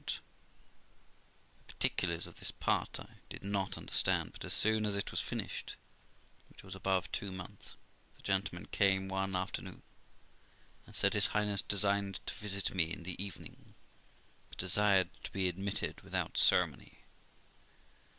The particulars of this part I did not understand ; but as soon as it was finished, which was above two months, the gentleman came one after noon, and said his Highness designed to visit me in the evening, but desired to be admitted without ceremony.